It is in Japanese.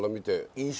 印象。